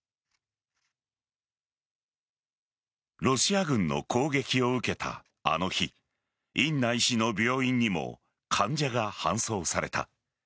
ロシア軍の攻撃を受けたあの日インナ医師の病院にも患者が搬送された。